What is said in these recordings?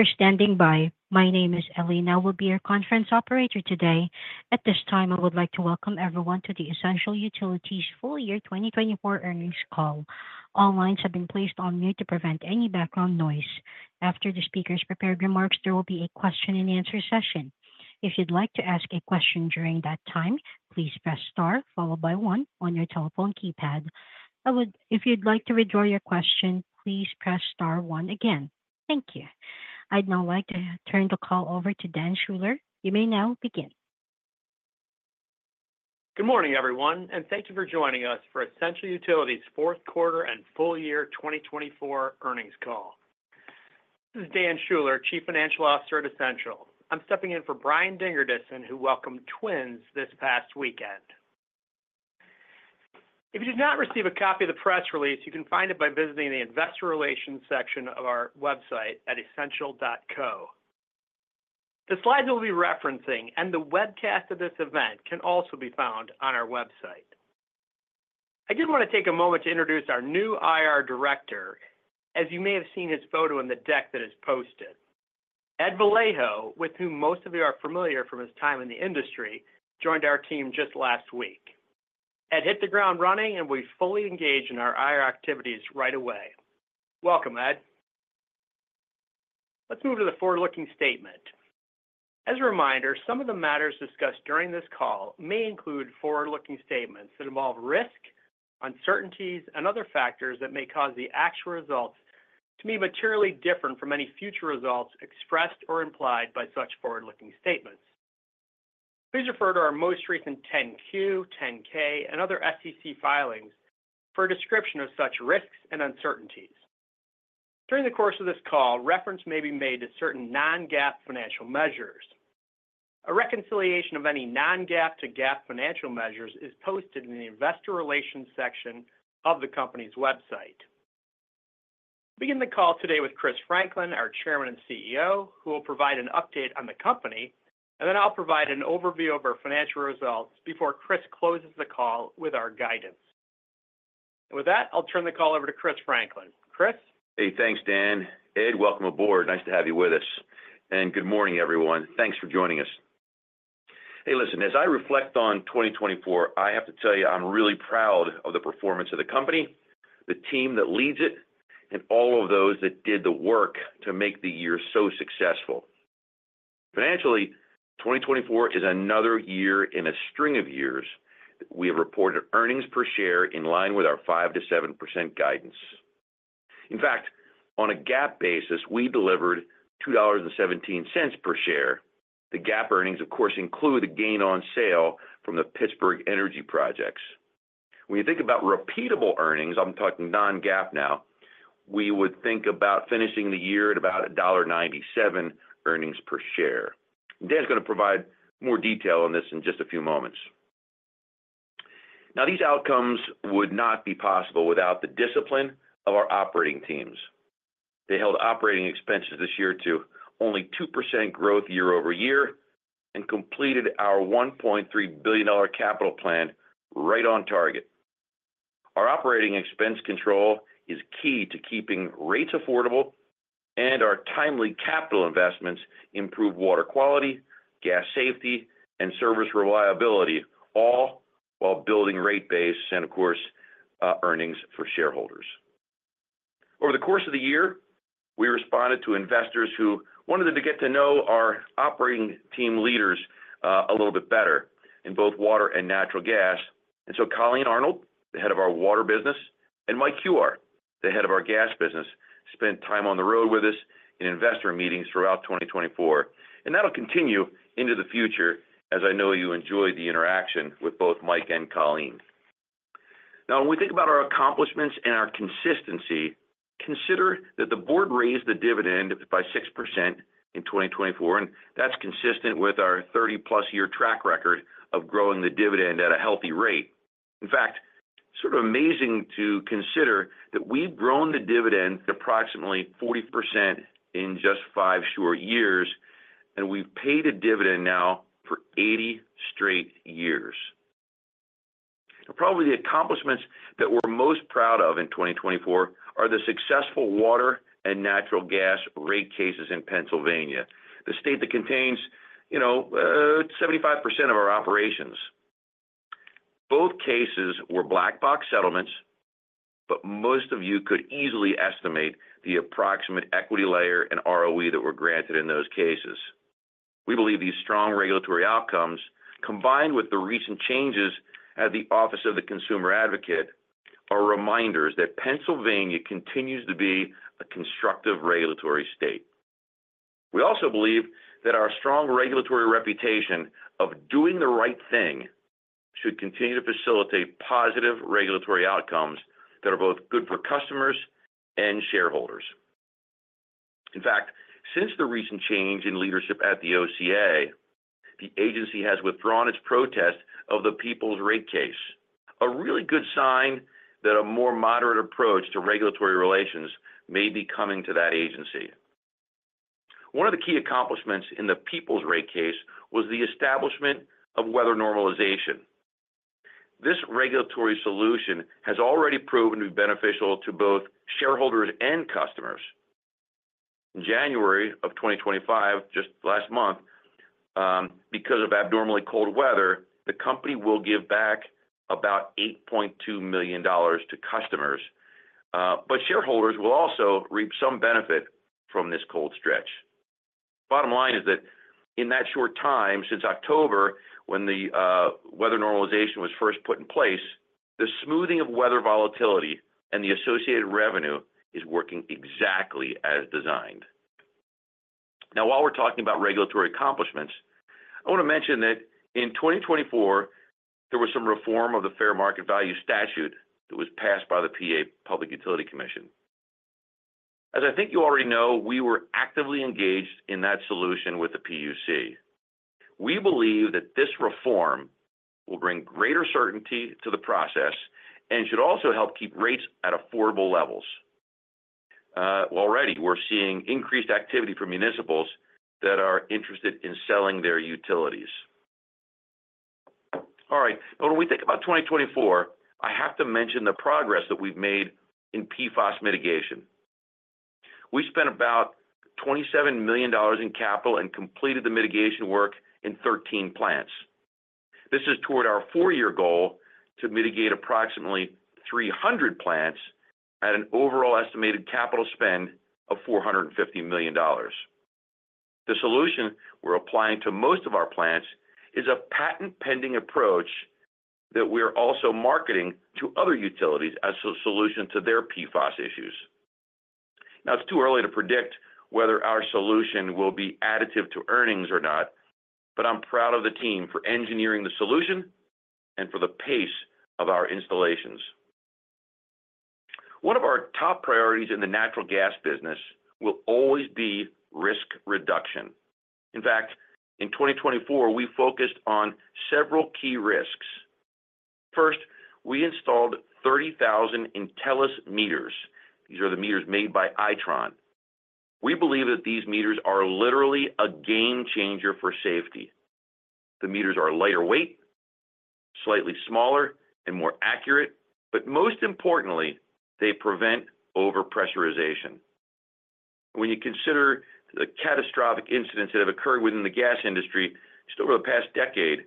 Thank you for standing by. My name is Elena, who will be your conference operator today. At this time, I would like to welcome everyone to the Essential Utilities Full Year 2024 Earnings Call. All lines have been placed on mute to prevent any background noise. After the speakers prepare remarks, there will be a question-and-answer session. If you'd like to ask a question during that time, please press star followed by one on your telephone keypad. If you'd like to withdraw your question, please press star one again. Thank you. I'd now like to turn the call over to Dan Schuller. You may now begin. Good morning, everyone, and thank you for joining us for Essential Utilities Q4 and Full Year 2024 Earnings Call. This is Dan Schuller, Chief Financial Officer at Essential. I'm stepping in for Brian Dingerdissen, who welcomed twins this past weekend. If you did not receive a copy of the press release, you can find it by visiting the investor relations section of our website at essential.co. The slides we'll be referencing and the webcast of this event can also be found on our website. I did want to take a moment to introduce our new IR director, as you may have seen his photo in the deck that is posted. Ed Vallejo, with whom most of you are familiar from his time in the industry, joined our team just last week. Ed hit the ground running, and we fully engaged in our IR activities right away. Welcome, Ed. Let's move to the forward-looking statement. As a reminder, some of the matters discussed during this call may include forward-looking statements that involve risk, uncertainties, and other factors that may cause the actual results to be materially different from any future results expressed or implied by such forward-looking statements. Please refer to our most recent 10Q, 10K, and other SEC filings for a description of such risks and uncertainties. During the course of this call, reference may be made to certain non-GAAP financial measures. A reconciliation of any non-GAAP to GAAP financial measures is posted in the investor relations section of the company's website. We begin the call today with Chris Franklin, our Chairman and CEO, who will provide an update on the company, and then I'll provide an overview of our financial results before Chris closes the call with our guidance. And with that, I'll turn the call over to Chris Franklin. Chris. Hey, thanks, Dan. Ed, welcome aboard. Nice to have you with us, and good morning, everyone. Thanks for joining us. Hey, listen, as I reflect on 2024, I have to tell you I'm really proud of the performance of the company, the team that leads it, and all of those that did the work to make the year so successful. Financially, 2024 is another year in a string of years that we have reported earnings per share in line with our 5%-7% guidance. In fact, on a GAAP basis, we delivered $2.17 per share. The GAAP earnings, of course, include the gain on sale from the Pittsburgh Energy projects. When you think about repeatable earnings, I'm talking non-GAAP now, we would think about finishing the year at about $1.97 earnings per share. Dan's going to provide more detail on this in just a few moments. Now, these outcomes would not be possible without the discipline of our operating teams. They held operating expenses this year to only 2% growth year-over-year and completed our $1.3 billion capital plan right on target. Our operating expense control is key to keeping rates affordable, and our timely capital investments improve water quality, gas safety, and service reliability, all while building rate base and, of course, earnings for shareholders. Over the course of the year, we responded to investors who wanted to get to know our operating team leaders a little bit better in both water and natural gas. And so Colleen Arnold, the head of our water business, and Mike Huwar, the head of our gas business, spent time on the road with us in investor meetings throughout 2024. And that'll continue into the future, as I know you enjoy the interaction with both Mike and Colleen. Now, when we think about our accomplishments and our consistency, consider that the board raised the dividend by 6% in 2024, and that's consistent with our 30-plus year track record of growing the dividend at a healthy rate. In fact, it's sort of amazing to consider that we've grown the dividend approximately 40% in just five short years, and we've paid a dividend now for 80 straight years. Probably the accomplishments that we're most proud of in 2024 are the successful water and natural gas rate cases in Pennsylvania, the state that contains 75% of our operations. Both cases were Black Box settlements, but most of you could easily estimate the approximate equity layer and ROE that were granted in those cases. We believe these strong regulatory outcomes, combined with the recent changes at the Office of Consumer Advocate, are reminders that Pennsylvania continues to be a constructive regulatory state. We also believe that our strong regulatory reputation of doing the right thing should continue to facilitate positive regulatory outcomes that are both good for customers and shareholders. In fact, since the recent change in leadership at the OCA, the agency has withdrawn its protest of the Peoples Rate Case, a really good sign that a more moderate approach to regulatory relations may be coming to that agency. One of the key accomplishments in the Peoples Rate Case was the establishment of weather normalization. This regulatory solution has already proven to be beneficial to both shareholders and customers. In January of 2025, just last month, because of abnormally cold weather, the company will give back about $8.2 million to customers, but shareholders will also reap some benefit from this cold stretch. Bottom line is that in that short time since October, when the weather normalization was first put in place, the smoothing of weather volatility and the associated revenue is working exactly as designed. Now, while we're talking about regulatory accomplishments, I want to mention that in 2024, there was some reform of the fair market value statute that was passed by the PA Public Utility Commission. As I think you already know, we were actively engaged in that solution with the PUC. We believe that this reform will bring greater certainty to the process and should also help keep rates at affordable levels. Already, we're seeing increased activity from municipals that are interested in selling their utilities. All right. Now, when we think about 2024, I have to mention the progress that we've made in PFAS mitigation. We spent about $27 million in capital and completed the mitigation work in 13 plants. This is toward our four-year goal to mitigate approximately 300 plants at an overall estimated capital spend of $450 million. The solution we're applying to most of our plants is a patent-pending approach that we are also marketing to other utilities as a solution to their PFAS issues. Now, it's too early to predict whether our solution will be additive to earnings or not, but I'm proud of the team for engineering the solution and for the pace of our installations. One of our top priorities in the natural gas business will always be risk reduction. In fact, in 2024, we focused on several key risks. First, we installed 30,000 Intelis meters. These are the meters made by Itron. We believe that these meters are literally a game changer for safety. The meters are lighter weight, slightly smaller, and more accurate, but most importantly, they prevent overpressurization. When you consider the catastrophic incidents that have occurred within the gas industry just over the past decade,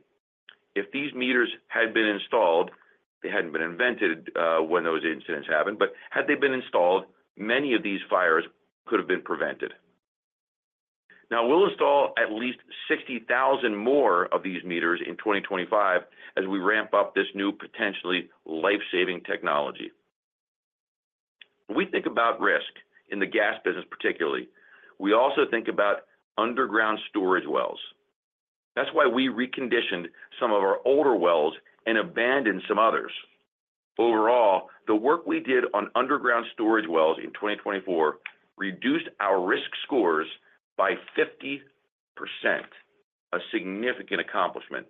if these meters had been installed, they hadn't been invented when those incidents happened, but had they been installed, many of these fires could have been prevented. Now, we'll install at least 60,000 more of these meters in 2025 as we ramp up this new potentially life-saving technology. When we think about risk in the gas business, particularly, we also think about underground storage wells. That's why we reconditioned some of our older wells and abandoned some others. Overall, the work we did on underground storage wells in 2024 reduced our risk scores by 50%, a significant accomplishment.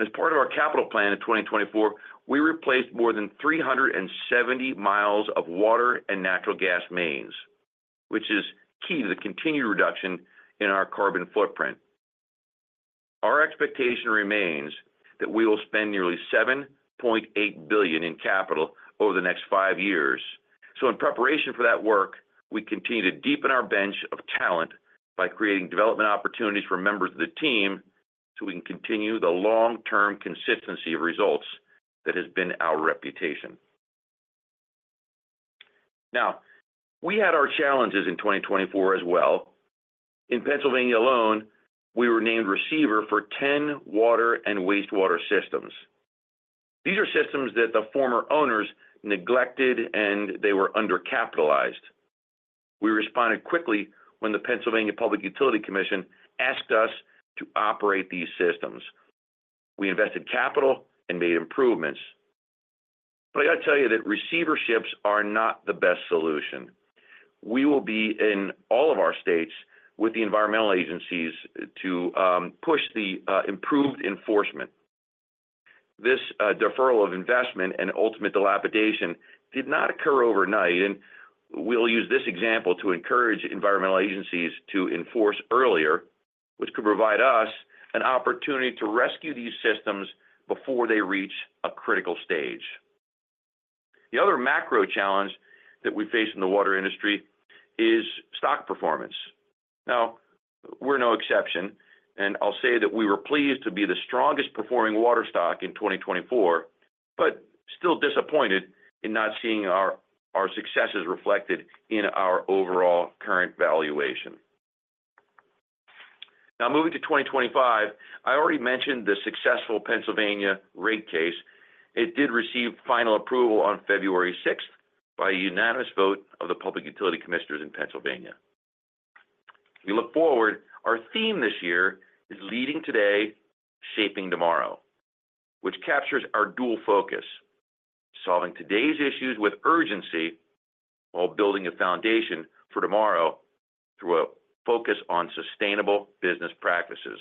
As part of our capital plan in 2024, we replaced more than 370 miles of water and natural gas mains, which is key to the continued reduction in our carbon footprint. Our expectation remains that we will spend nearly $7.8 billion in capital over the next five years. In preparation for that work, we continue to deepen our bench of talent by creating development opportunities for members of the team so we can continue the long-term consistency of results that has been our reputation. Now, we had our challenges in 2024 as well. In Pennsylvania alone, we were named receiver for 10 water and wastewater systems. These are systems that the former owners neglected, and they were undercapitalized. We responded quickly when the Pennsylvania Public Utility Commission asked us to operate these systems. We invested capital and made improvements. But I got to tell you that receiverships are not the best solution. We will be in all of our states with the environmental agencies to push the improved enforcement. This deferral of investment and ultimate dilapidation did not occur overnight, and we'll use this example to encourage environmental agencies to enforce earlier, which could provide us an opportunity to rescue these systems before they reach a critical stage. The other macro challenge that we face in the water industry is stock performance. Now, we're no exception, and I'll say that we were pleased to be the strongest performing water stock in 2024, but still disappointed in not seeing our successes reflected in our overall current valuation. Now, moving to 2025, I already mentioned the successful Pennsylvania Rate Case. It did receive final approval on February 6th by a unanimous vote of the Public Utility Commissioners in Pennsylvania. We look forward. Our theme this year is "Leading Today, Shaping Tomorrow," which captures our dual focus: solving today's issues with urgency while building a foundation for tomorrow through a focus on sustainable business practices.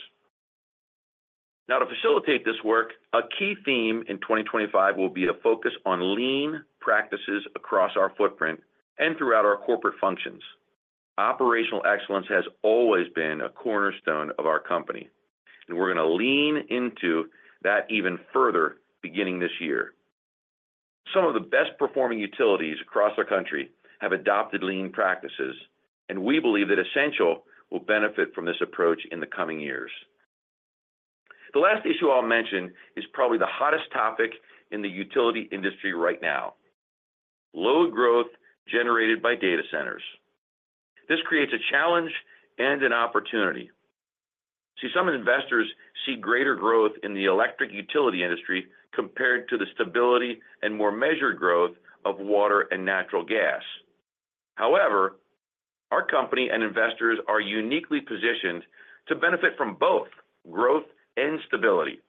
Now, to facilitate this work, a key theme in 2025 will be a focus on lean practices across our footprint and throughout our corporate functions. Operational excellence has always been a cornerstone of our company, and we're going to lean into that even further beginning this year. Some of the best-performing utilities across the country have adopted lean practices, and we believe that Essential will benefit from this approach in the coming years. The last issue I'll mention is probably the hottest topic in the utility industry right now: load growth generated by data centers. This creates a challenge and an opportunity. See, some investors see greater growth in the electric utility industry compared to the stability and more measured growth of water and natural gas. However, our company and investors are uniquely positioned to benefit from both growth and stability.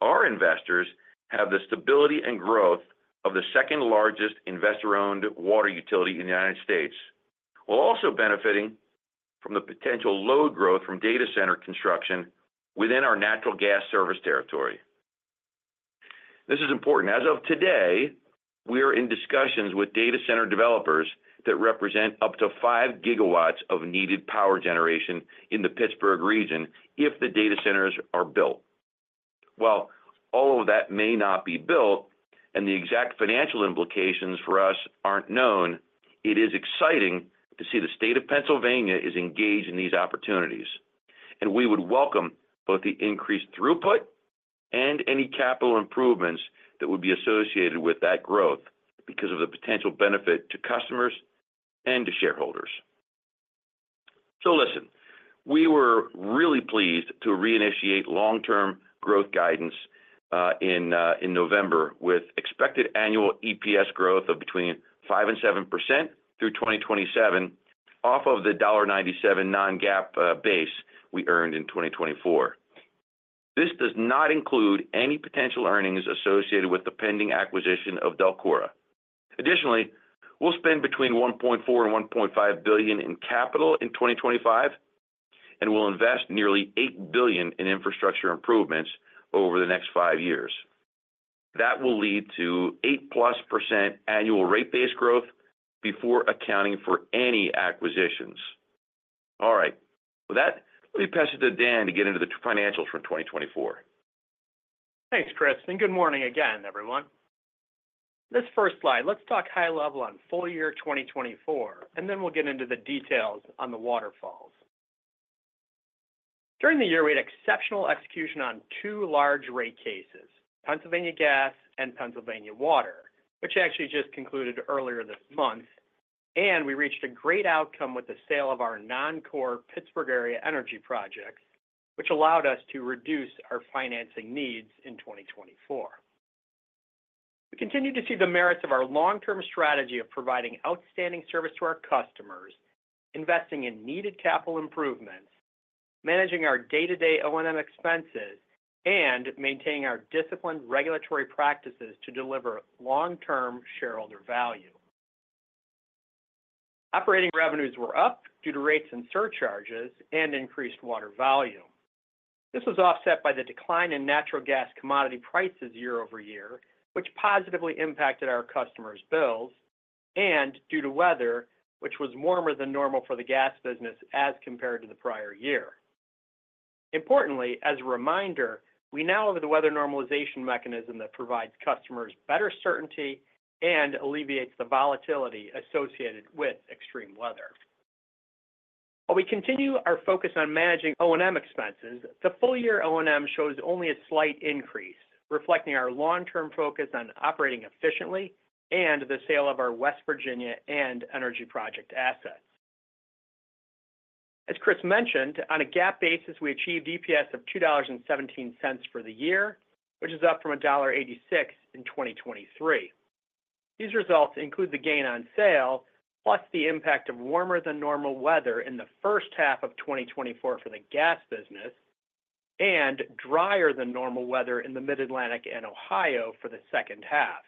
Our investors have the stability and growth of the second-largest investor-owned water utility in the United States, while also benefiting from the potential low growth from data center construction within our natural gas service territory. This is important. As of today, we are in discussions with data center developers that represent up to 5GW of needed power generation in the Pittsburgh region if the data centers are built. While all of that may not be built and the exact financial implications for us aren't known, it is exciting to see the state of Pennsylvania is engaged in these opportunities. And we would welcome both the increased throughput and any capital improvements that would be associated with that growth because of the potential benefit to customers and to shareholders. So listen, we were really pleased to reinitiate long-term growth guidance in November with expected annual EPS growth of between 5% and 7% through 2027 off of the $1.97 non-GAAP base we earned in 2024. This does not include any potential earnings associated with the pending acquisition of DELCORA. Additionally, we'll spend between $1.4 and $1.5 billion in capital in 2025, and we'll invest nearly $8 billion in infrastructure improvements over the next five years. That will lead to 8-plus% annual rate base growth before accounting for any acquisitions. All right. With that, let me pass it to Dan to get into the financials for 2024. Thanks, Chris, and good morning again, everyone. This first slide, let's talk high level on full year 2024, and then we'll get into the details on the waterfalls. During the year, we had exceptional execution on two large rate cases, Pennsylvania Gas and Pennsylvania Water, which actually just concluded earlier this month, and we reached a great outcome with the sale of our non-core Pittsburgh area energy projects, which allowed us to reduce our financing needs in 2024. We continue to see the merits of our long-term strategy of providing outstanding service to our customers, investing in needed capital improvements, managing our day-to-day O&M expenses, and maintaining our disciplined regulatory practices to deliver long-term shareholder value. Operating revenues were up due to rates and surcharges and increased water volume. This was offset by the decline in natural gas commodity prices year-over-year, which positively impacted our customers' bills, and due to weather, which was warmer than normal for the gas business as compared to the prior year. Importantly, as a reminder, we now have the weather normalization mechanism that provides customers better certainty and alleviates the volatility associated with extreme weather. While we continue our focus on managing O&M expenses, the full year O&M shows only a slight increase, reflecting our long-term focus on operating efficiently and the sale of our West Virginia and energy project assets. As Chris mentioned, on a GAAP basis, we achieved EPS of $2.17 for the year, which is up from $1.86 in 2023. These results include the gain on sale, plus the impact of warmer than normal weather in the first half of 2024 for the gas business, and drier than normal weather in the Mid-Atlantic and Ohio for the second half.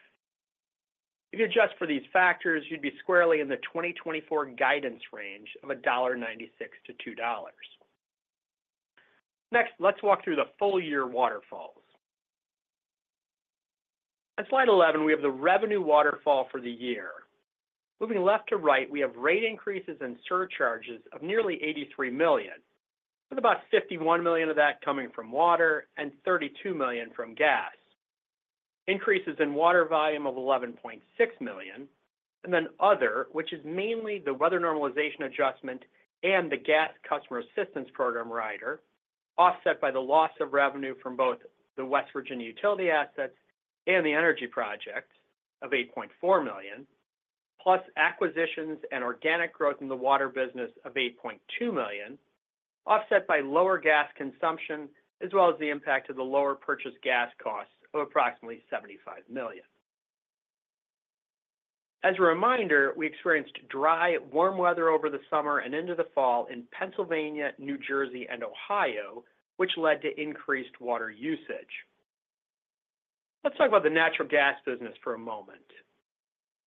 If you adjust for these factors, you'd be squarely in the 2024 guidance range of $1.96-$2. Next, let's walk through the full year waterfalls. At slide 11, we have the revenue waterfall for the year. Moving left to right, we have rate increases and surcharges of nearly $83 million, with about $51 million of that coming from water and $32 million from gas. Increases in water volume of $11.6 million, and then other, which is mainly the weather normalization adjustment and the gas customer assistance program rider, offset by the loss of revenue from both the West Virginia utility assets and the energy projects of $8.4 million, plus acquisitions and organic growth in the water business of $8.2 million, offset by lower gas consumption, as well as the impact of the lower purchased gas costs of approximately $75 million. As a reminder, we experienced dry warm weather over the summer and into the fall in Pennsylvania, New Jersey, and Ohio, which led to increased water usage. Let's talk about the natural gas business for a moment.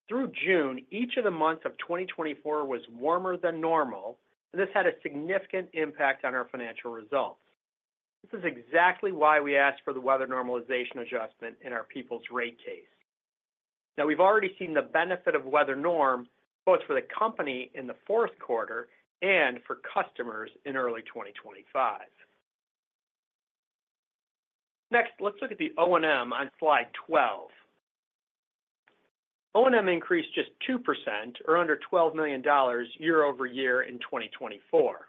Through June, each of the months of 2024 was warmer than normal, and this had a significant impact on our financial results. This is exactly why we asked for the weather normalization adjustment in our People's rate case. Now, we've already seen the benefit of weather norm both for the company in the fourth quarter and for customers in early 2025. Next, let's look at the O&M on slide 12. O&M increased just 2%, or under $12 million year over year in 2024.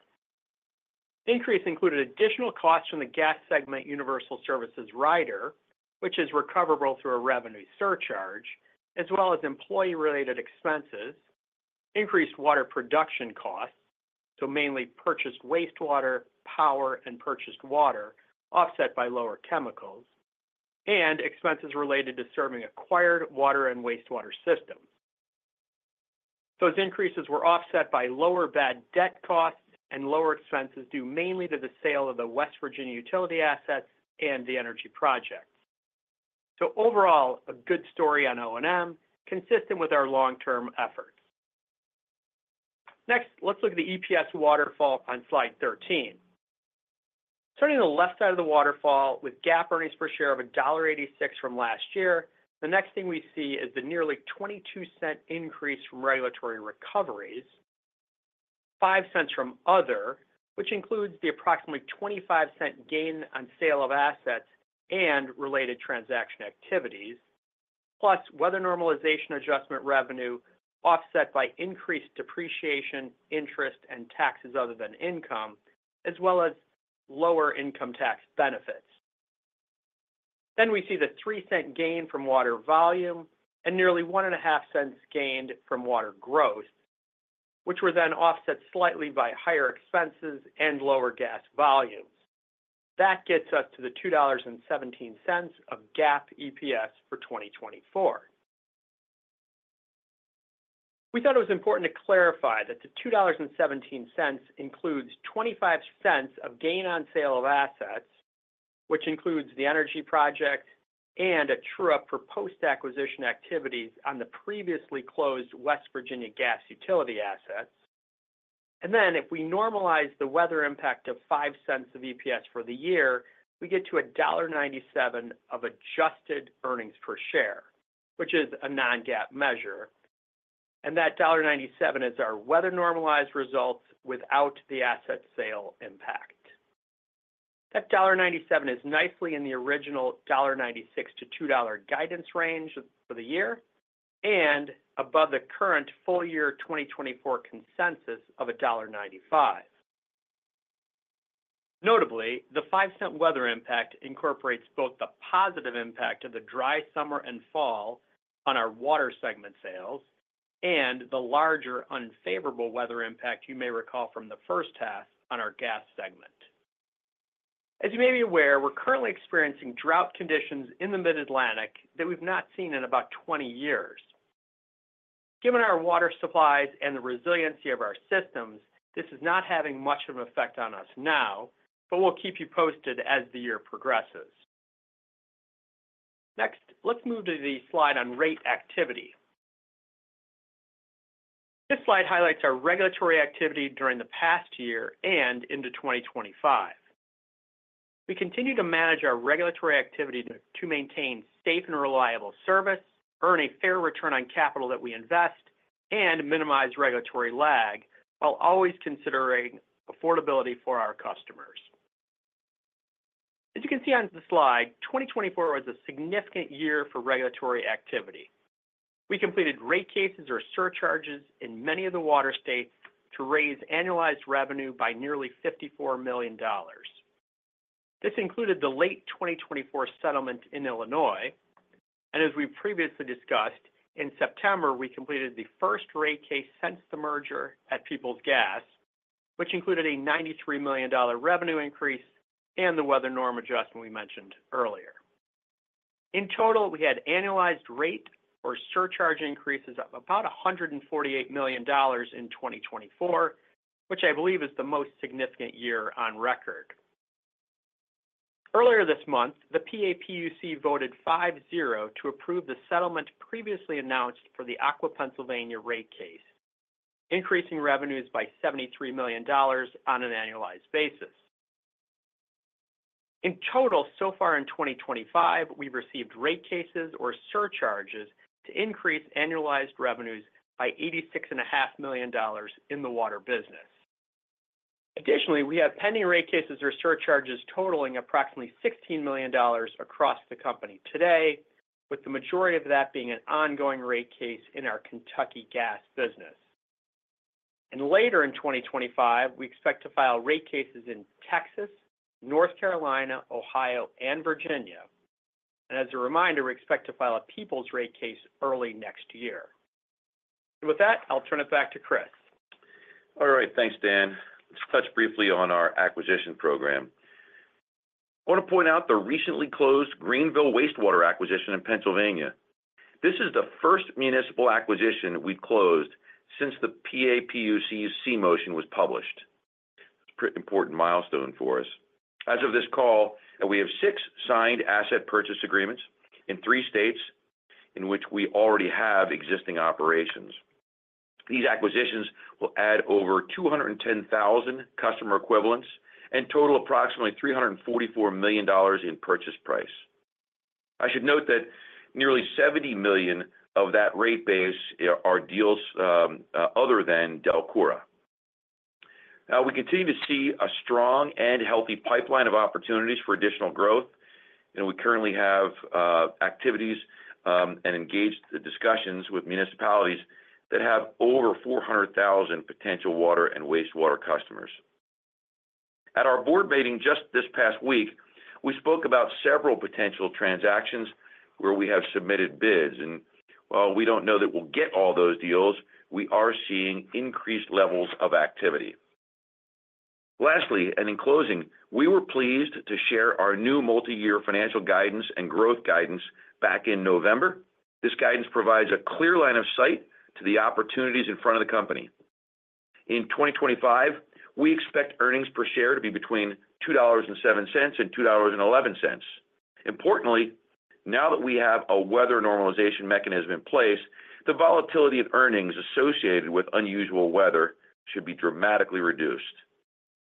The increase included additional costs from the gas segment universal services rider, which is recoverable through a revenue surcharge, as well as employee-related expenses, increased water production costs, so mainly purchased wastewater, power, and purchased water, offset by lower chemicals, and expenses related to serving acquired water and wastewater systems. Those increases were offset by lower bad debt costs and lower expenses due mainly to the sale of the West Virginia utility assets and the energy projects, so overall, a good story on O&M consistent with our long-term efforts. Next, let's look at the EPS waterfall on slide 13. Starting on the left side of the waterfall, with GAAP earnings per share of $1.86 from last year, the next thing we see is the nearly $0.22 increase from regulatory recoveries, $0.05 from other, which includes the approximately $0.25 gain on sale of assets and related transaction activities, plus weather normalization adjustment revenue offset by increased depreciation, interest, and taxes other than income, as well as lower income tax benefits. Then we see the $0.03 gain from water volume and nearly $0.50 gained from water growth, which were then offset slightly by higher expenses and lower gas volumes. That gets us to the $2.17 of GAAP EPS for 2024. We thought it was important to clarify that the $2.17 includes $0.25 of gain on sale of assets, which includes the energy project and a true-up for post-acquisition activities on the previously closed West Virginia gas utility assets. And then, if we normalize the weather impact of $0.05 of EPS for the year, we get to $1.97 of adjusted earnings per share, which is a non-GAAP measure. And that $1.97 is our weather normalized results without the asset sale impact. That $1.97 is nicely in the original $1.96-$2 guidance range for the year and above the current full year 2024 consensus of $1.95. Notably, the $0.05 weather impact incorporates both the positive impact of the dry summer and fall on our water segment sales and the larger unfavorable weather impact you may recall from the first half on our gas segment. As you may be aware, we're currently experiencing drought conditions in the Mid-Atlantic that we've not seen in about 20 years. Given our water supplies and the resiliency of our systems, this is not having much of an effect on us now, but we'll keep you posted as the year progresses. Next, let's move to the slide on rate activity. This slide highlights our regulatory activity during the past year and into 2025. We continue to manage our regulatory activity to maintain safe and reliable service, earn a fair return on capital that we invest, and minimize regulatory lag while always considering affordability for our customers. As you can see on the slide, 2024 was a significant year for regulatory activity. We completed rate cases or surcharges in many of the water states to raise annualized revenue by nearly $54 million. This included the late 2024 settlement in Illinois. As we've previously discussed, in September, we completed the first rate case since the merger at Peoples Gas, which included a $93 million revenue increase and the weather normalization adjustment we mentioned earlier. In total, we had annualized rate or surcharge increases of about $148 million in 2024, which I believe is the most significant year on record. Earlier this month, the PAPUC voted 5-0 to approve the settlement previously announced for the Aqua Pennsylvania rate case, increasing revenues by $73 million on an annualized basis. In total, so far in 2025, we've received rate cases or surcharges to increase annualized revenues by $86.5 million in the water business. Additionally, we have pending rate cases or surcharges totaling approximately $16 million across the company today, with the majority of that being an ongoing rate case in our Kentucky gas business. And later in 2025, we expect to file rate cases in Texas, North Carolina, Ohio, and Virginia. And as a reminder, we expect to file a People's rate case early next year. And with that, I'll turn it back to Chris. All right. Thanks, Dan. Let's touch briefly on our acquisition program. I want to point out the recently closed Greenville wastewater acquisition in Pennsylvania. This is the first municipal acquisition we've closed since the PAPUC's motion was published. It's a pretty important milestone for us. As of this call, we have six signed asset purchase agreements in three states in which we already have existing operations. These acquisitions will add over 210,000 customer equivalents and total approximately $344 million in purchase price. I should note that nearly $70 million of that rate base are deals other than DELCORA. Now, we continue to see a strong and healthy pipeline of opportunities for additional growth, and we currently have activities and engaged discussions with municipalities that have over 400,000 potential water and wastewater customers. At our board meeting just this past week, we spoke about several potential transactions where we have submitted bids, and while we don't know that we'll get all those deals, we are seeing increased levels of activity. Lastly, and in closing, we were pleased to share our new multi-year financial guidance and growth guidance back in November. This guidance provides a clear line of sight to the opportunities in front of the company. In 2025, we expect earnings per share to be between $2.07 and $2.11. Importantly, now that we have a weather normalization mechanism in place, the volatility of earnings associated with unusual weather should be dramatically reduced,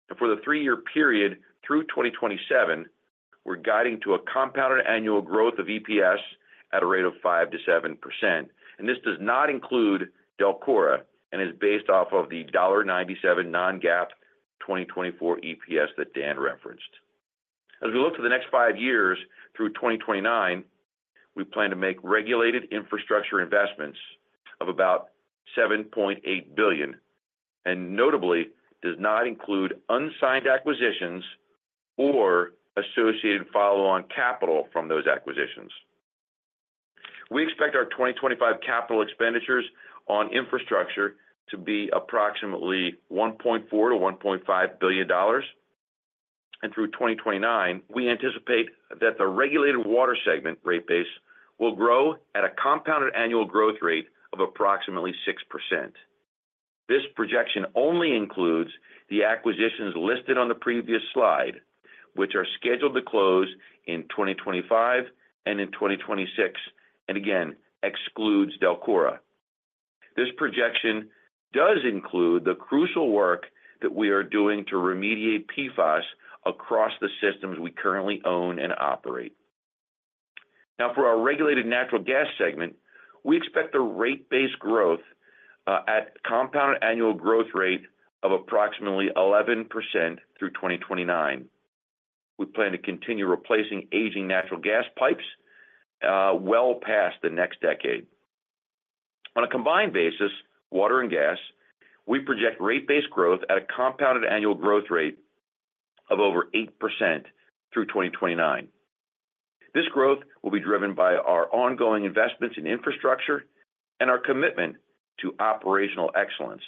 and for the three-year period through 2027, we're guiding to a compounded annual growth of EPS at a rate of 5%-7%. And this does not include DELCORA and is based off of the $1.97 non-GAAP 2024 EPS that Dan referenced. As we look to the next five years through 2029, we plan to make regulated infrastructure investments of about $7.8 billion. And notably, it does not include unsigned acquisitions or associated follow-on capital from those acquisitions. We expect our 2025 capital expenditures on infrastructure to be approximately $1.4-$1.5 billion. And through 2029, we anticipate that the regulated water segment rate base will grow at a compounded annual growth rate of approximately 6%. This projection only includes the acquisitions listed on the previous slide, which are scheduled to close in 2025 and in 2026, and again, excludes DELCORA. This projection does include the crucial work that we are doing to remediate PFAS across the systems we currently own and operate. Now, for our regulated natural gas segment, we expect the rate-based growth at compounded annual growth rate of approximately 11% through 2029. We plan to continue replacing aging natural gas pipes well past the next decade. On a combined basis, water and gas, we project rate-based growth at a compounded annual growth rate of over 8% through 2029. This growth will be driven by our ongoing investments in infrastructure and our commitment to operational excellence.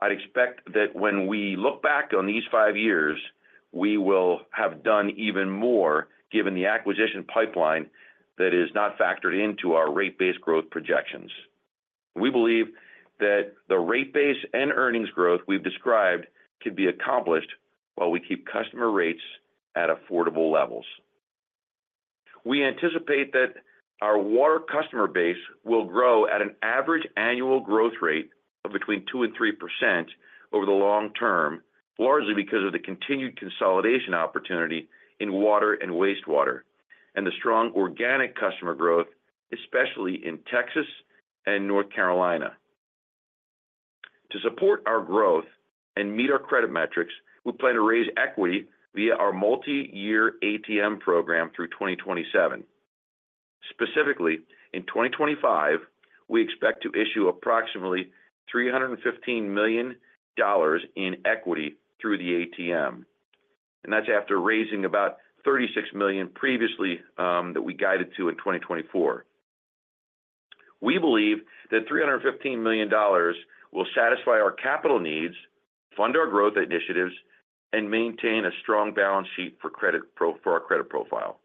I'd expect that when we look back on these five years, we will have done even more given the acquisition pipeline that is not factored into our rate-based growth projections. We believe that the rate base and earnings growth we've described could be accomplished while we keep customer rates at affordable levels. We anticipate that our water customer base will grow at an average annual growth rate of between 2% and 3% over the long term, largely because of the continued consolidation opportunity in water and wastewater and the strong organic customer growth, especially in Texas and North Carolina. To support our growth and meet our credit metrics, we plan to raise equity via our multi-year ATM program through 2027. Specifically, in 2025, we expect to issue approximately $315 million in equity through the ATM, and that's after raising about $36 million previously that we guided to in 2024. We believe that $315 million will satisfy our capital needs, fund our growth initiatives, and maintain a strong balance sheet for our credit profile.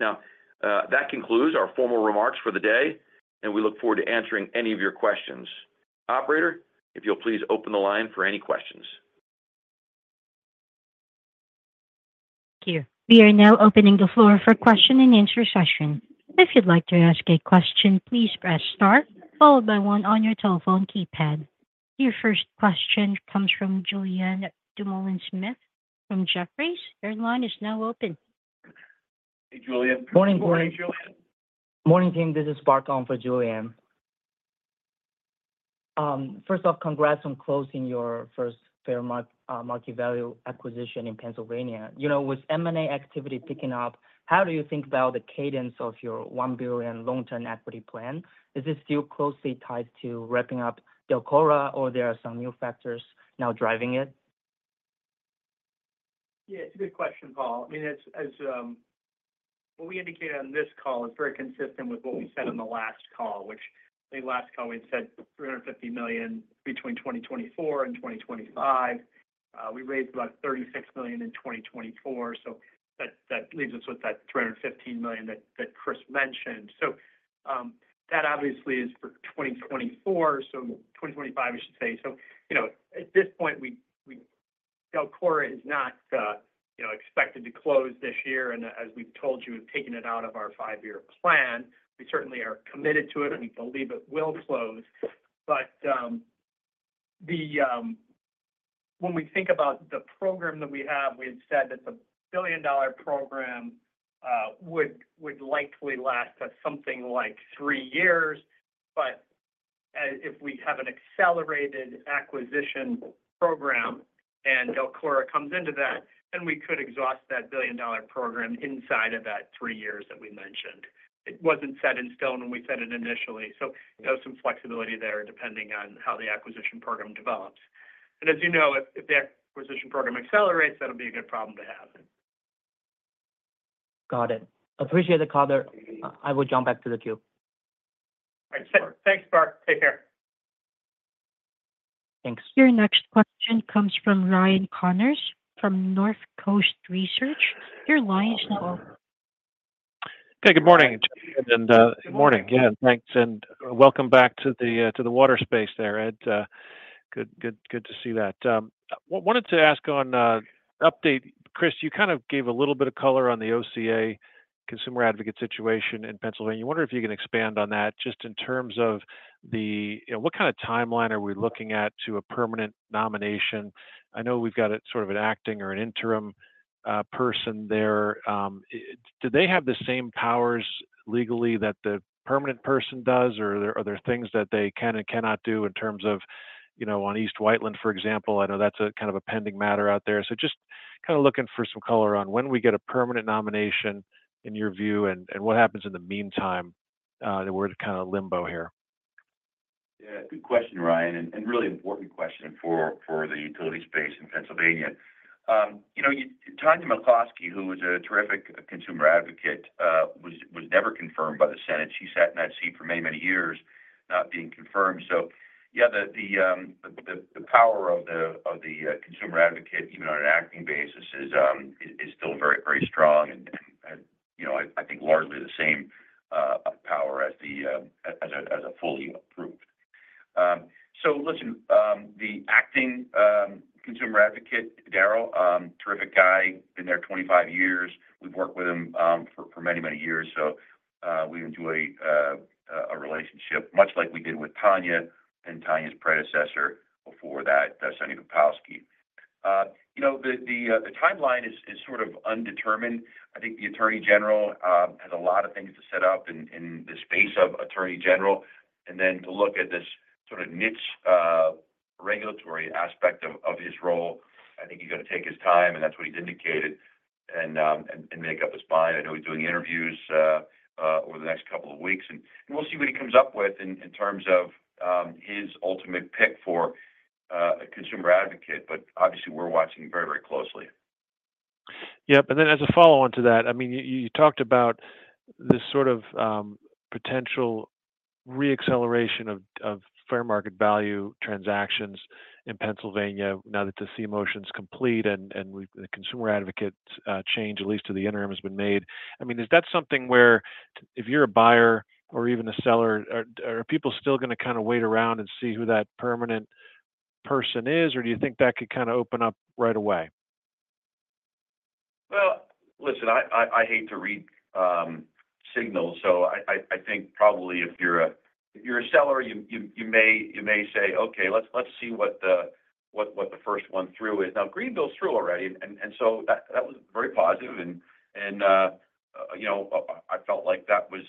Now, that concludes our formal remarks for the day, and we look forward to answering any of your questions. Operator, if you'll please open the line for any questions. Thank you. We are now opening the floor for question and answer session. If you'd like to ask a question, please press star, followed by one on your telephone keypad. Your first question comes from Julien Dumoulin-Smith from Jefferies. Your line is now open. Hey, Julian. Morning, team. This is Paul on for Julian. First off, congrats on closing your first fair market value acquisition in Pennsylvania. With M&A activity picking up, how do you think about the cadence of your $1 billion long-term equity plan? Is it still closely tied to wrapping up DELCORA, or there are some new factors now driving it? Yeah, it's a good question, Paul. I mean, what we indicated on this call is very consistent with what we said on the last call, which the last call we had said $350 million between 2024 and 2025. We raised about $36 million in 2024. So that leaves us with that $315 million that Chris mentioned. So that obviously is for 2024, so 2025, I should say. So at this point, DELCORA is not expected to close this year. And as we've told you, we've taken it out of our five-year plan. We certainly are committed to it, and we believe it will close. But when we think about the program that we have, we had said that the billion-dollar program would likely last us something like three years. But if we have an accelerated acquisition program and DELCORA comes into that, then we could exhaust that billion-dollar program inside of that three years that we mentioned. It wasn't set in stone when we said it initially. So there's some flexibility there depending on how the acquisition program develops. And as you know, if the acquisition program accelerates, that'll be a good problem to have. Got it. Appreciate the call, there. I will jump back to the queue. All right. Thanks, Paul. Take care. Thanks. Your next question comes from Ryan Connors from Northcoast Research. Your line is now open. Hey, good morning. And good morning. Yeah, thanks. And welcome back to the water space there. Good to see that. Wanted to ask for an update, Chris. You kind of gave a little bit of color on the OCA consumer advocate situation in Pennsylvania. I wonder if you can expand on that just in terms of what kind of timeline are we looking at to a permanent nomination. I know we've got sort of an acting or an interim person there. Do they have the same powers legally that the permanent person does, or are there things that they can and cannot do in terms of on East Whiteland, for example. I know that's kind of a pending matter out there. So just kind of looking for some color on when we get a permanent nomination in your view and what happens in the meantime that we're kind of in limbo here. Yeah, good question, Ryan. And really important question for the utility space in Pennsylvania. Tanya McCloskey, who was a terrific consumer advocate, was never confirmed by the Senate. She sat in that seat for many, many years not being confirmed. So yeah, the power of the consumer advocate, even on an acting basis, is still very, very strong. And I think largely the same power as a fully approved. So listen, the acting consumer advocate, Darryl, terrific guy. Been there 25 years. We've worked with him for many, many years. So we enjoy a relationship, much like we did with Tanya and Tanya's predecessor before that, Sunny McCloskey. The timeline is sort of undetermined. I think the attorney general has a lot of things to set up in the space of attorney general. And then to look at this sort of niche regulatory aspect of his role, I think he's going to take his time, and that's what he's indicated, and make up his mind. I know he's doing interviews over the next couple of weeks. And we'll see what he comes up with in terms of his ultimate pick for a consumer advocate. But obviously, we're watching very, very closely. Yep. And then as a follow-on to that, I mean, you talked about this sort of potential re-acceleration of fair market value transactions in Pennsylvania now that the settlement's complete and the consumer advocate change, at least to the interim, has been made. I mean, is that something where if you're a buyer or even a seller, are people still going to kind of wait around and see who that permanent person is, or do you think that could kind of open up right away? Well, listen, I hate to read signals. So I think probably if you're a seller, you may say, "Okay, let's see what the first one through is." Now, Greenville's through already. And so that was very positive. And I felt like that was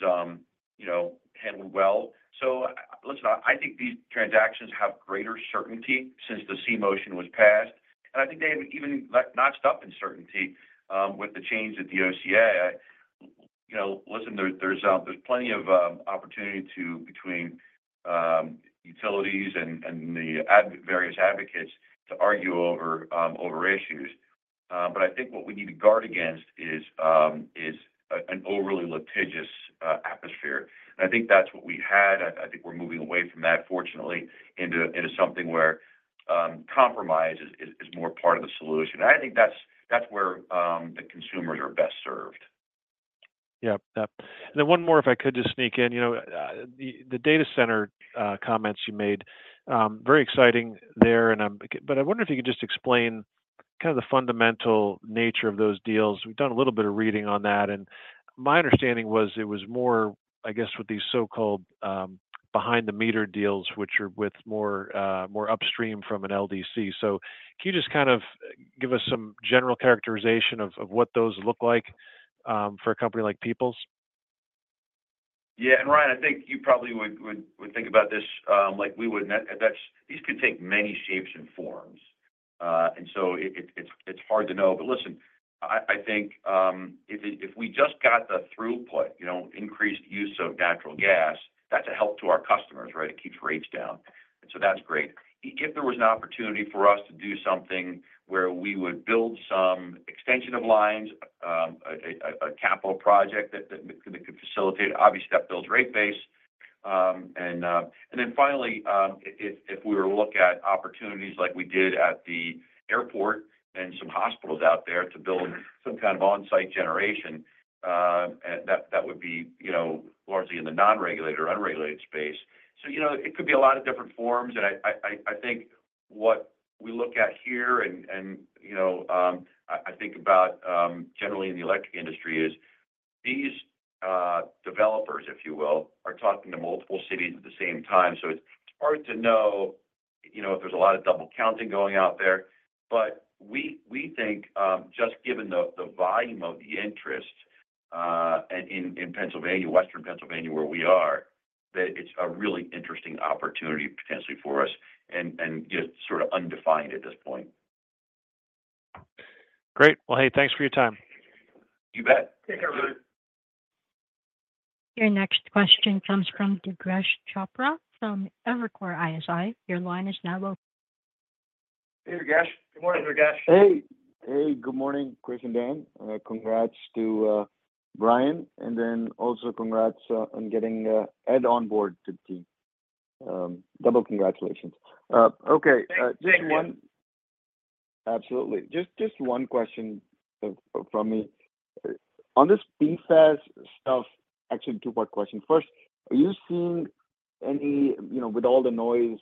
handled well. So listen, I think these transactions have greater certainty since the Senate motion was passed. And I think they've even notched up in certainty with the change at the OCA. Listen, there's plenty of opportunity between utilities and the various advocates to argue over issues. But I think what we need to guard against is an overly litigious atmosphere. And I think that's what we had. I think we're moving away from that, fortunately, into something where compromise is more part of the solution. And I think that's where the consumers are best served. Yep. Yep, and then one more, if I could just sneak in. The data center comments you made, very exciting there, but I wonder if you could just explain kind of the fundamental nature of those deals. We've done a little bit of reading on that, and my understanding was it was more, I guess, with these so-called behind-the-meter deals, which are with more upstream from an LDC, so can you just kind of give us some general characterization of what those look like for a company like Peoples? Yeah. And Ryan, I think you probably would think about this like we wouldn't. These could take many shapes and forms. And so it's hard to know. But listen, I think if we just got the throughput, increased use of natural gas, that's a help to our customers, right? It keeps rates down. And so that's great. If there was an opportunity for us to do something where we would build some extension of lines, a capital project that could facilitate, obviously, that builds rate base. And then finally, if we were to look at opportunities like we did at the airport and some hospitals out there to build some kind of on-site generation, that would be largely in the non-regulated or unregulated space. So it could be a lot of different forms. I think what we look at here, and I think about generally in the electric industry, is these developers, if you will, are talking to multiple cities at the same time. It's hard to know if there's a lot of double counting going out there. We think, just given the volume of the interest in Pennsylvania, Western Pennsylvania, where we are, that it's a really interesting opportunity potentially for us and just sort of undefined at this point. Great. Well, hey, thanks for your time. You bet. Your next question comes from Durgesh Chopra from Evercore ISI. Your line is now open. Hey, Durgesh. Good morning, Durgesh. Hey. Hey, good morning, Chris and Dan. Congrats to Brian. And then also congrats on getting Ed on board to the team. Double congratulations. Okay. Just one. Absolutely. Just one question from me. On this PFAS stuff, actually, two-part question. First, are you seeing any, with all the noise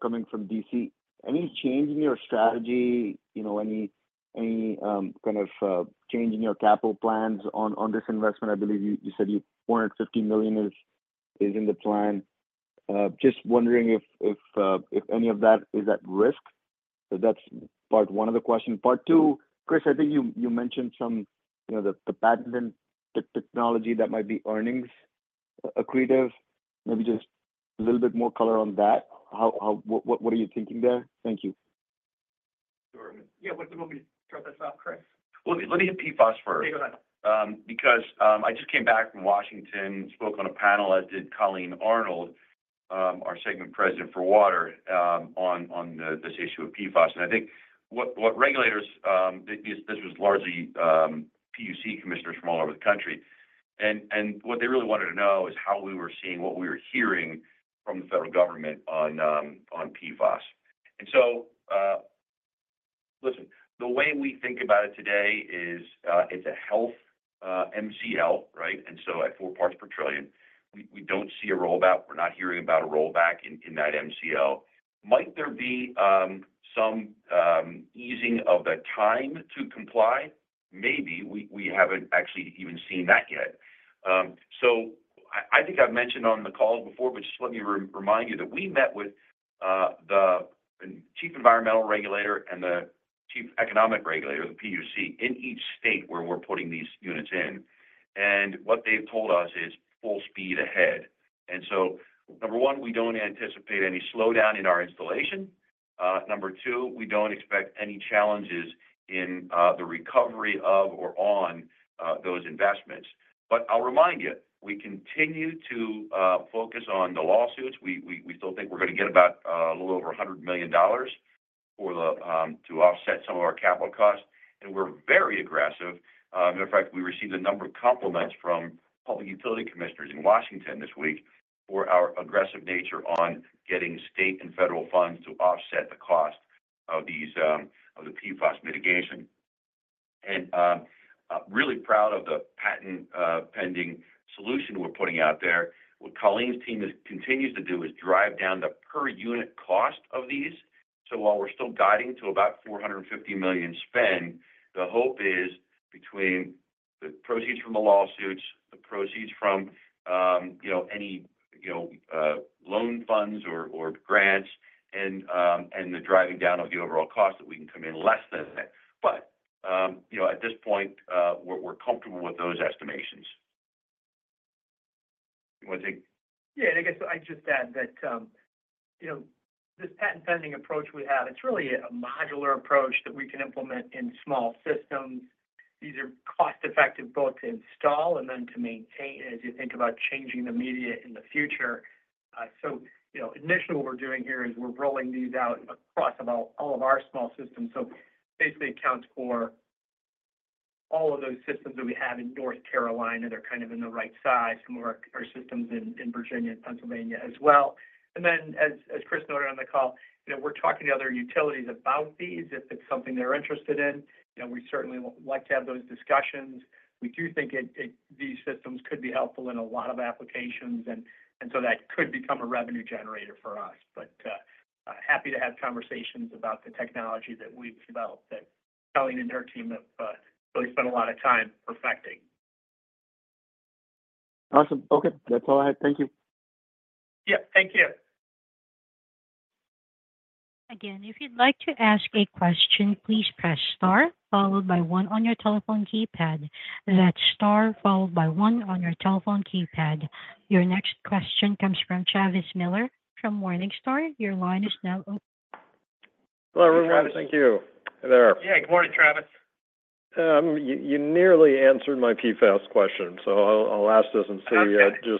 coming from DC, any change in your strategy, any kind of change in your capital plans on this investment? I believe you said you wanted $50 million is in the plan. Just wondering if any of that is at risk. So that's part one of the question. Part two, Chris, I think you mentioned some of the patented technology that might be earnings accretive. Maybe just a little bit more color on that. What are you thinking there? Thank you. Sure. Yeah. What's the moment to start this off, Chris? Well, let me hit PFAS first. Okay. Go ahead. Because I just came back from Washington, spoke on a panel as did Colleen Arnold, our segment president for water, on this issue of PFAS. And I think what regulators, this was largely PUC commissioners from all over the country, and what they really wanted to know is how we were seeing what we were hearing from the federal government on PFAS. And so listen, the way we think about it today is it's a health MCL, right? And so at four parts per trillion, we don't see a rollback. We're not hearing about a rollback in that MCL. Might there be some easing of the time to comply? Maybe. We haven't actually even seen that yet. So I think I've mentioned on the call before, but just let me remind you that we met with the chief environmental regulator and the chief economic regulator, the PUC, in each state where we're putting these units in. And what they've told us is full speed ahead. And so number one, we don't anticipate any slowdown in our installation. Number two, we don't expect any challenges in the recovery of or on those investments. But I'll remind you, we continue to focus on the lawsuits. We still think we're going to get about a little over $100 million to offset some of our capital costs. And we're very aggressive. As a matter of fact, we received a number of compliments from public utility commissioners in Washington this week for our aggressive nature on getting state and federal funds to offset the cost of the PFAS mitigation. Really proud of the patent-pending solution we're putting out there. What Colleen's team continues to do is drive down the per-unit cost of these. So while we're still guiding to about $450 million spend, the hope is between the proceeds from the lawsuits, the proceeds from any loan funds or grants, and the driving down of the overall cost that we can come in less than that. But at this point, we're comfortable with those estimations. You want to take? Yeah. And I guess I'd just add that this patent-pending approach we have, it's really a modular approach that we can implement in small systems. These are cost-effective both to install and then to maintain as you think about changing the media in the future. So initially, what we're doing here is we're rolling these out across all of our small systems. So basically, it accounts for all of those systems that we have in North Carolina. They're kind of in the right size. Some of our systems in Virginia and Pennsylvania as well. And then, as Chris noted on the call, we're talking to other utilities about these. If it's something they're interested in, we certainly would like to have those discussions. We do think these systems could be helpful in a lot of applications. And so that could become a revenue generator for us. But happy to have conversations about the technology that we've developed that Colleen and her team have really spent a lot of time perfecting. Awesome. Okay. That's all I had. Thank you. Yep. Thank you. Again, if you'd like to ask a question, please press star followed by one on your telephone keypad. That's star followed by one on your telephone keypad. Your next question comes from Travis Miller from Morningstar. Your line is now open. Hello, everyone. Thank you. Hey there. Yeah. Good morning, Travis. You nearly answered my PFAS question, so I'll ask this and see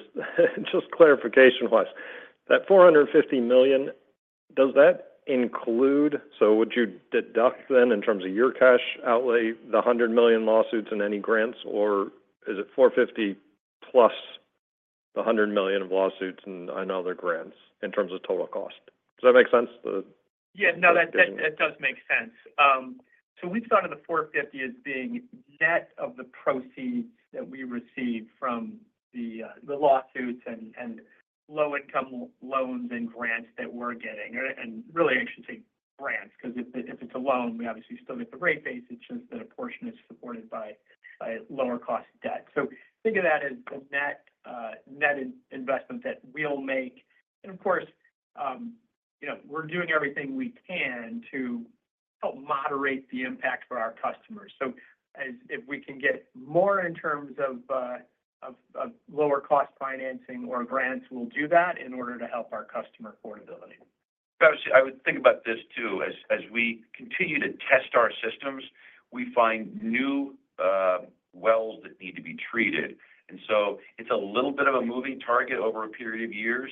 just clarification-wise. That $450 million, does that include, so would you deduct then in terms of your cash outlay, the $100 million lawsuits and any grants, or is it $450 plus the $100 million of lawsuits and other grants in terms of total cost? Does that make sense? Yeah. No, that does make sense. So we've thought of the $450 as being net of the proceeds that we receive from the lawsuits and low-income loans and grants that we're getting. And really, I should say grants because if it's a loan, we obviously still get the rate base. It's just that a portion is supported by lower-cost debt. So think of that as the net investment that we'll make. And of course, we're doing everything we can to help moderate the impact for our customers. So if we can get more in terms of lower-cost financing or grants, we'll do that in order to help our customer affordability. I would think about this too. As we continue to test our systems, we find new wells that need to be treated. And so it's a little bit of a moving target over a period of years,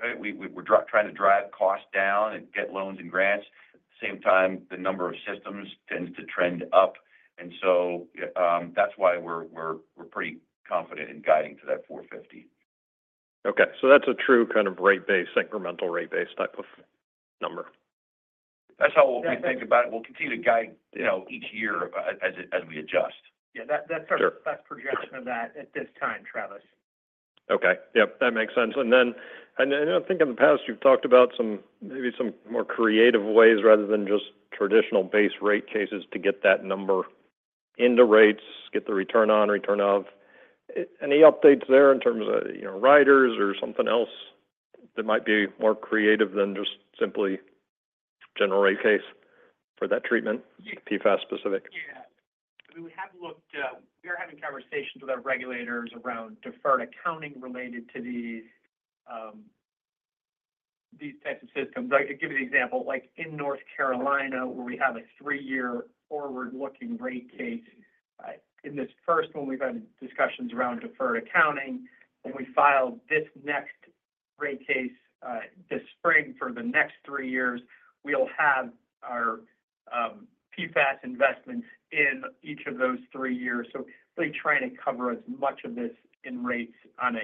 right? We're trying to drive costs down and get loans and grants. At the same time, the number of systems tends to trend up. And so that's why we're pretty confident in guiding to that $450. Okay. So that's a true kind of rate base, incremental rate base type of number. That's how we think about it. We'll continue to guide each year as we adjust. Yeah. That's our projection of that at this time, Travis. Okay. Yep. That makes sense. And then I think in the past, you've talked about maybe some more creative ways rather than just traditional base rate cases to get that number into rates, get the return on, return of. Any updates there in terms of riders or something else that might be more creative than just simply general rate case for that treatment, PFAS specific? Yeah. I mean, we have looked. We are having conversations with our regulators around deferred accounting related to these types of systems. I'll give you an example. In North Carolina, where we have a three-year forward-looking rate case, in this first one, we've had discussions around deferred accounting. When we file this next rate case this spring for the next three years, we'll have our PFAS investments in each of those three years. So really trying to cover as much of this in rates on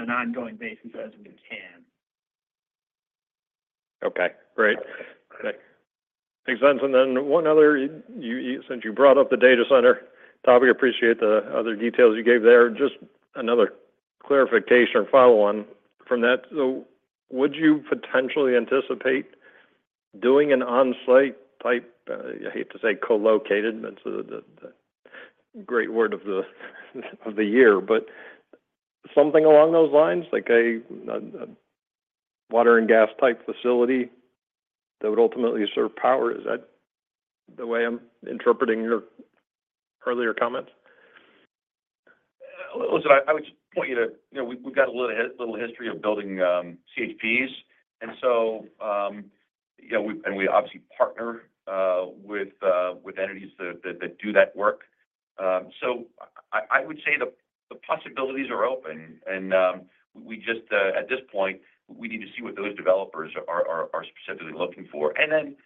an ongoing basis as we can. Okay. Great. Thanks. And then one other - since you brought up the data center topic, I appreciate the other details you gave there. Just another clarification or follow-on from that. So would you potentially anticipate doing an on-site type - I hate to say co-located, but it's the great word of the year - but something along those lines, like a water and gas type facility that would ultimately serve power? Is that the way I'm interpreting your earlier comments? Listen, I would just point you to, we've got a little history of building CHPs. And so we obviously partner with entities that do that work. So I would say the possibilities are open. And at this point, we need to see what those developers are specifically looking for. And then,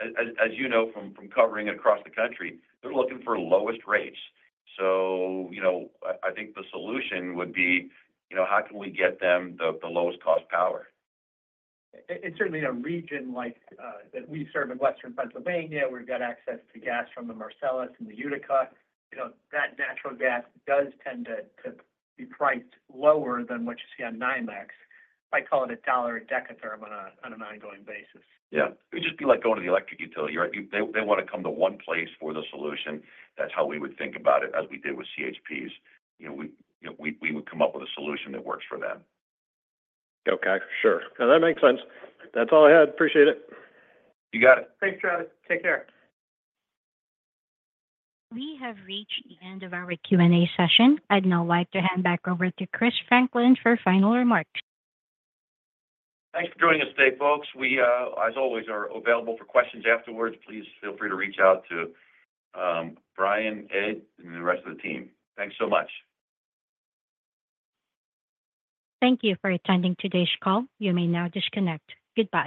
as you know from covering across the country, they're looking for lowest rates. So I think the solution would be, how can we get them the lowest-cost power? Certainly, in a region like that we serve in Western Pennsylvania, where we've got access to gas from the Marcellus and the Utica, that natural gas does tend to be priced lower than what you see on NYMEX. I call it $1 a dekatherm on an ongoing basis. Yeah. It would just be like going to the electric utility, right? They want to come to one place for the solution. That's how we would think about it, as we did with CHPs. We would come up with a solution that works for them. Okay. Sure. That makes sense. That's all I had. Appreciate it. You got it. Thanks, Travis. Take care. We have reached the end of our Q&A session. I'd now like to hand back over to Chris Franklin for final remarks. Thanks for joining us today, folks. We, as always, are available for questions afterwards. Please feel free to reach out to Brian, Ed, and the rest of the team. Thanks so much. Thank you for attending today's call. You may now disconnect. Goodbye.